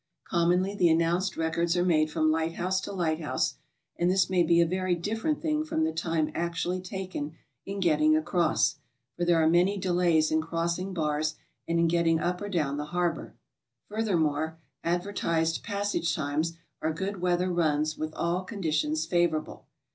Commonly the an nounced records are made from lightho'use to lighthouse, and this may be a very different thing from the time actually taken in getting across, for there are many delays in crossing bars and in getting up or down the harbor. Furthermore, advertised passage times are good^weather runs with all conditions favorable.